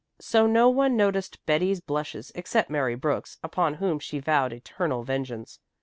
So no one noticed Betty's blushes except Mary Brooks, upon whom she vowed eternal vengeance.